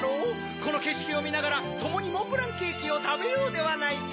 このけしきをみながらともにモンブランケキをたべようではないか。